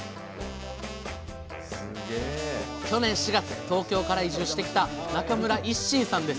去年４月東京から移住してきた中村一心さんです。